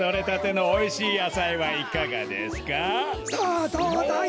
さあどうだい？